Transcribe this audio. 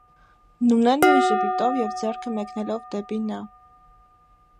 Նունեն նույն ժպիտով և ձեռքը մեկնելով դեպի նա: